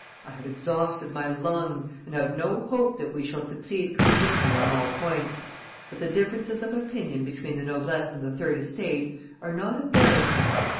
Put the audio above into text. I have exhausted my lungs and have no hope that we shall succeed completely on all points, but the differences of opinion between the noblesse and the third estate are not embarrassing.